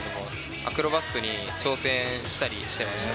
アクロバットに挑戦したりしてました。